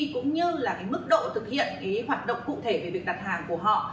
cũng như là mức độ thực hiện hoạt động cụ thể về việc đặt hàng của họ